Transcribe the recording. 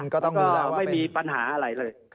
ก็ไม่มีปัญหาอะไรเลย